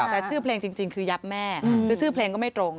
แต่ชื่อเพลงจริงคือยับแม่คือชื่อเพลงก็ไม่ตรง